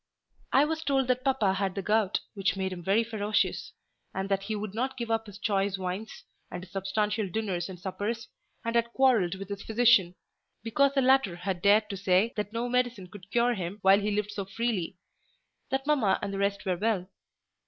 I was told that papa had the gout, which made him very ferocious; and that he would not give up his choice wines, and his substantial dinners and suppers, and had quarrelled with his physician, because the latter had dared to say that no medicine could cure him while he lived so freely; that mamma and the rest were well.